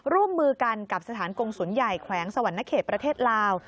ร่วมมือกันกับสถานกงศูนย์ใหญ่แขวงสวรรณเขตประเทศลาว